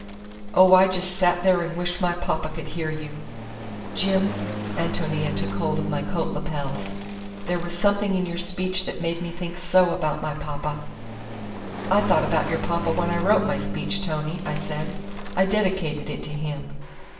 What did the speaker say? "Oh, I just sat there and wished my papa could hear you! Jim,"—Ántonia took hold of my coat lapels,—"there was something in your speech that made me think so about my papa!" "I thought about your papa when I wrote my speech, Tony," I said. "I dedicated it to him."